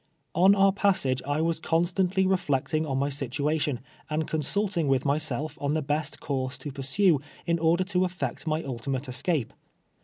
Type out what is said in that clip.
On our passage I was constantly reflecting on my sit uation, and consulting with myself on the best course to pursue in order to effect my ultimate escape.